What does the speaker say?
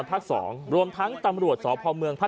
นำกำลังเข้าไปตรวจสอบสถานบันเทิงบรู